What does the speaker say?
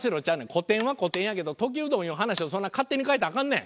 古典は古典やけど『時うどん』いう話をそんな勝手に変えたらアカンねん。